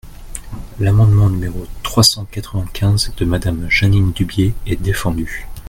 L’amendement numéro trois cent quatre-vingt-quinze de Madame Jeanine Dubié est défendu.